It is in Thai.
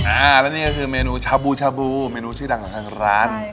อ่าแล้วนี่ก็คือเมนูชาบูชาบูเมนูชื่อดังของทางร้าน